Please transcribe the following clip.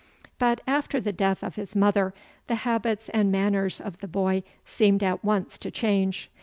But, after the death of his mother, the habits and manners of the boy seemed at once to change.